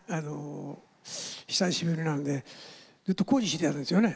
久しぶりなので、ずっと工事してたんですよね。